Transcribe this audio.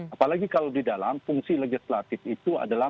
apalagi kalau di dalam fungsi legislatif itu adalah